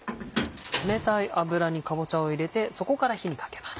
冷たい油にかぼちゃを入れてそこから火にかけます。